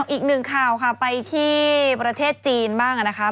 อีกหนึ่งข่าวค่ะไปที่ประเทศจีนบ้างนะคะ